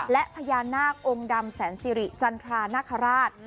และพญานาคองค์ดำแสนสิริจันทรานาคาราช